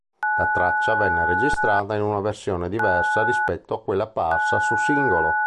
La traccia venne registrata in una versione diversa rispetto a quella apparsa su singolo.